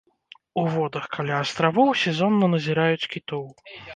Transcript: У водах каля астравоў сезонна назіраюць кітоў.